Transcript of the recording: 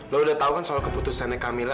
lo udah tau kan soal keputusannya camilla